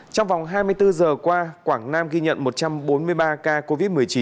trong vòng hai mươi bốn giờ qua quảng nam ghi nhận một trăm bốn mươi ba ca covid một mươi chín